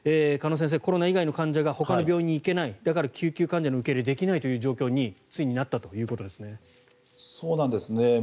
鹿野先生、コロナ以外の患者がほかの病院に行けないだから、救急患者の受け入れができないという状況についになったということですね。